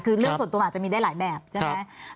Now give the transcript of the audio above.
คือเรื่องส่วนตัวมันอาจจะมีได้หลายแบบใช่ไหม